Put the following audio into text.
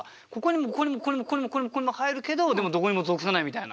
ここにもここにもここにも入るけどでもどこにも属さないみたいな。